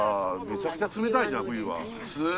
めちゃくちゃ冷たいじゃん冬は。